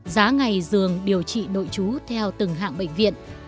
giá ngày dường điều trị nội chú theo từng hạng bệnh viện